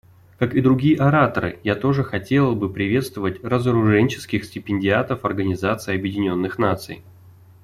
Как и другие ораторы, я тоже хотела бы приветствовать разоруженческих стипендиатов Организации Объединенных Наций.